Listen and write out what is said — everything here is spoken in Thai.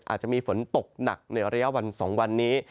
อาจจะมีฝนตกหนักในระยะวัน๒วันนี้